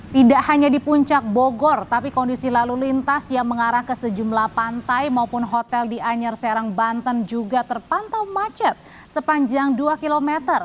tidak hanya di puncak bogor tapi kondisi lalu lintas yang mengarah ke sejumlah pantai maupun hotel di anyar serang banten juga terpantau macet sepanjang dua km